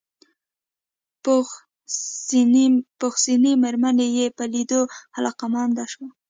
پوخ سنې مېرمن يې په ليدو علاقه منده شوه.